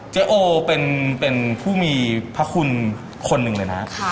โอเป็นผู้มีพระคุณคนหนึ่งเลยนะ